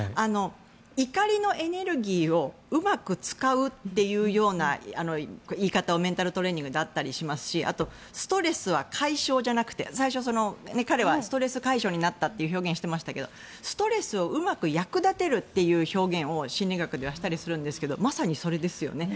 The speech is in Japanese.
怒りのエネルギーをうまく使うっていうような言い方がメンタルトレーニングであったりしますしあと、ストレスは解消じゃなくて最初、彼はストレス解消になったと表現していましたがストレスをうまく役立てるという表現を心理学ではしたりするんですがまさにそれですよね。